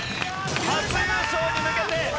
初優勝に向けて。